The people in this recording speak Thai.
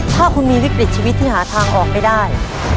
ถ้าคุณมีวิกฤตชีวิตที่หาทางออกไม่ได้